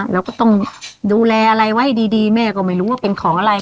เราก็ต้องดูแลอะไรไว้ดีแม่ก็ไม่รู้ว่าเป็นของอะไร